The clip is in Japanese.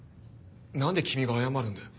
なんで君が謝るんだよ。